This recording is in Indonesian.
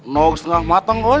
nogis tengah mateng uy